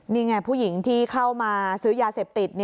นี่ไงผู้หญิงที่เข้ามาซื้อยาเสพติด